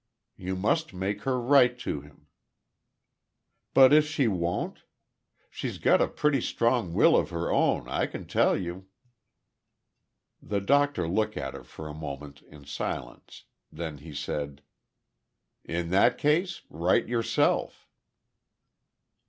You must make her write to him." "But if she won't? She's got a pretty strong will of her own, I can tell you." The doctor looked at her for a moment in silence. Then he said: "In that case write yourself."